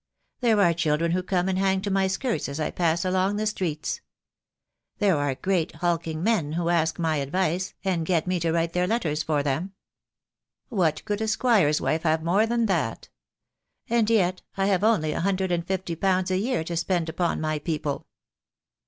# There are children who come and hang to my skirts as I pass along the streets. There are great hulking men who ask my advice and get me to write their letters for them. What could a squire's wife have more than that? And yet I have only a hundred and fifty pounds a year to spend upon my people."